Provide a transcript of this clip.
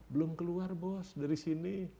belum keluar bos dari sini